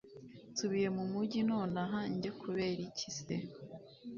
nsubiye mumugi nonaha! njye kuberiki se